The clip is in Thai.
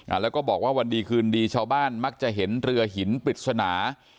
แล้วก็บอกว่าวันดีคืนดีชาวบ้านมักจะเห็นเรือหินปริศนา